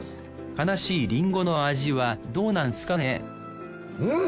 悲しいりんごの味はどうなんすかねうん！